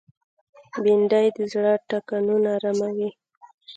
بېنډۍ د زړه ټکانونه آراموي